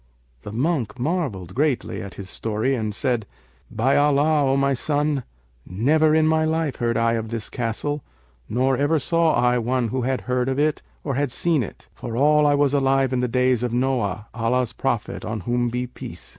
The Monk marvelled greatly at his story and said, 'By Allah, O my son, never in my life heard I of this castle, nor ever saw I one who had heard of it or had seen it, for all I was alive in the days of Noah, Allah's Prophet (on whom be peace!)